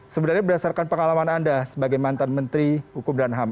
sebenarnya berdasarkan pengalaman anda sebagai mantan menteri hukum dan ham